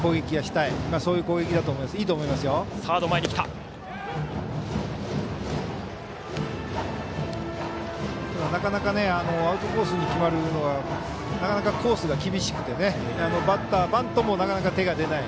ただアウトコースに決まるのがなかなかコースが厳しくてバッター、バントもなかなか手が出ない。